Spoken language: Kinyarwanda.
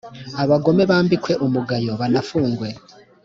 Abagome bambikwe umugayo banafungwe